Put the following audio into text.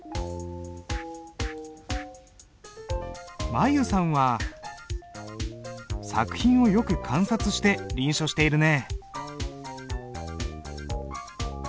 舞悠さんは作品をよく観察して臨書しているね。